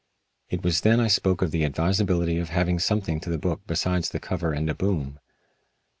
It was then I spoke of the advisability of having something to the book besides the cover and a boom.